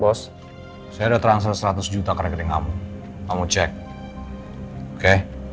bos saya udah transfer seratus juta ke rekening kamu kamu cek oke